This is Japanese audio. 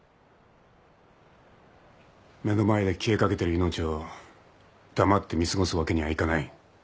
目の前で消えかけてる命を黙って見過ごすわけにはいかない。